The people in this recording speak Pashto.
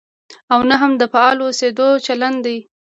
او نه هم د فعال اوسېدو چلند دی.